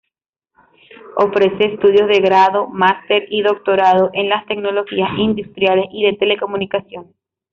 Ofrece estudios de Grado, Máster y Doctorado en las tecnologías industriales y de telecomunicaciones.